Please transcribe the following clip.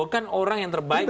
kan orang yang terbaik